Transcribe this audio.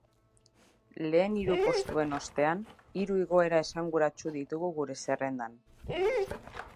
Lehen hiru postuen ostean, hiru igoera esanguratsu ditugu gure zerrendan.